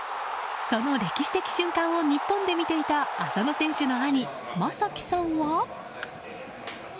その歴史的瞬間を日本で見ていた浅野選手の兄・将輝さんは。